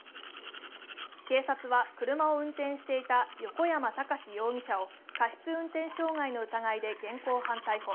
警察は、車を運転していた横山孝容疑者を過失運転傷害の疑いで現行犯逮捕。